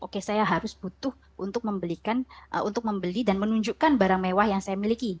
oke saya harus butuh untuk membeli dan menunjukkan barang mewah yang saya miliki